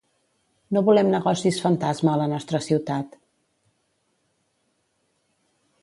No volem negocis fantasma a la nostra ciutat.